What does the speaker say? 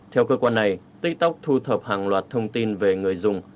theo cơ quan này tiktok thu thập hàng loạt thông tin về người dùng